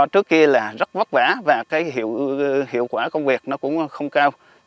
trước kia là rất vất vả và hiệu quả công việc cũng không cao